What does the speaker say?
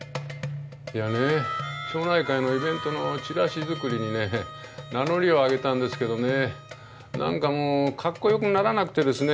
いやね町内会のイベントのチラシ作りにね名乗りを上げたんですけどね何かもうカッコよくならなくってですね。